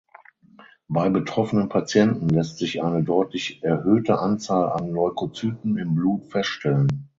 Bei betroffenen Patienten lässt sich eine deutlich erhöhte Anzahl an Leukozyten im Blut feststellen.